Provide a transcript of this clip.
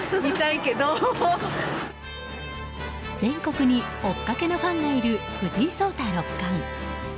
全国に追っかけのファンがいる藤井聡太六冠。